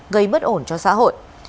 gây bất ổn cho xã hội